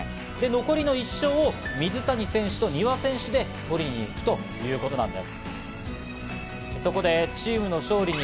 残りの１勝を水谷選手と丹羽選手で取りに行くということなんです。